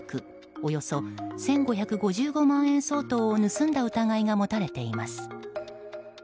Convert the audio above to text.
およそ１５５５万円相当を盗んだ疑いが持たれています。